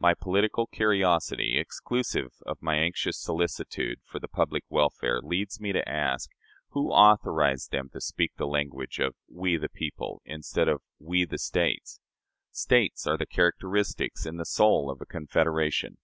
My political curiosity, exclusive of my anxious solicitude for the public welfare, leads me to ask, Who authorized them to speak the language of 'We, the people,' instead of We, the States? States are the characteristics and the soul of a confederation.